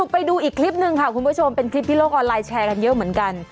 ไปดูอีกคลิปหนึ่งค่ะคุณผู้ชมเป็นคลิปที่โลกออนไลน์แชร์กันเยอะเหมือนกัน